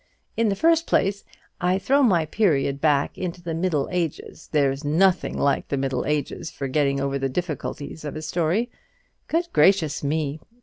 In the first place, I throw my period back into the Middle Ages there's nothing like the Middle Ages for getting over the difficulties of a story. Good gracious me!